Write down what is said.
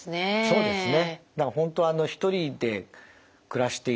そうですね。